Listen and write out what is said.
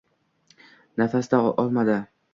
Nafas-da olmadi!